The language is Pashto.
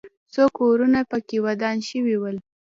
څو کورونه پکې ودان شوي ول.